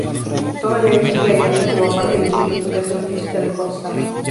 Todavía hoy sigue abierta, como parte del Instituto de Astrofísica de Potsdam.